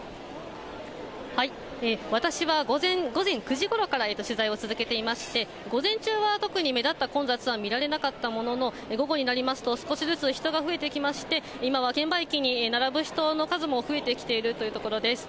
私は午前９時ごろから取材を続けていまして、午前中は特に目立った混雑は見られなかったものの、午後になりますと少しずつ、人が増えてきまして、今は券売機に並ぶ人の数も増えてきているというところです。